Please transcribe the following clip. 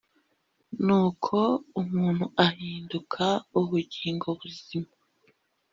nuko umuntu ahinduka ubugingo buzima.